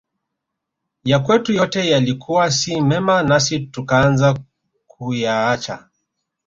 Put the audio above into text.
Yakwetu yote yalikuwa si mema nasi tukaanza kuyaacha